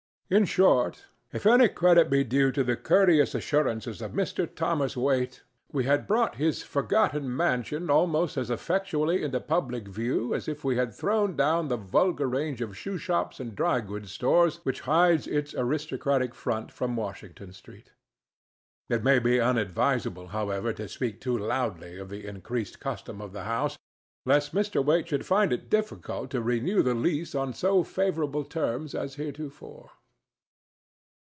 In short, if any credit be due to the courteous assurances of Mr. Thomas Waite, we had brought his forgotten mansion almost as effectually into public view as if we had thrown down the vulgar range of shoe shops and dry good stores which hides its aristocratic front from Washington street. It may be unadvisable, however, to speak too loudly of the increased custom of the house, lest Mr. Waite should find it difficult to renew the lease on so favorable terms as heretofore.